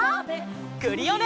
クリオネ！